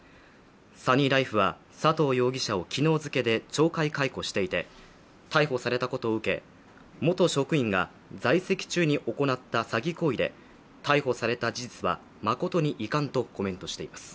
サニーライフは、佐藤容疑者を昨日付で懲戒解雇していて逮捕されたことを受け元職員が在籍中に行った詐欺行為で逮捕された事実は誠に遺憾とコメントしています。